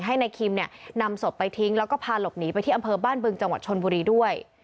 ให้นายคิมเนี่ยนำศพไปทิ้งแล้วก็พาหลบหนีไปที่อำเภอบ้านบึงจังหวัดชนบุรีด้วย